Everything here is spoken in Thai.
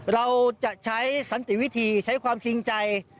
เราจะใช้สันติวิธีใช้ความจริงใจ